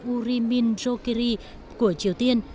urimin jokiri của triều tiên